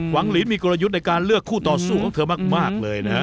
หลีนมีกลยุทธ์ในการเลือกคู่ต่อสู้ของเธอมากเลยนะฮะ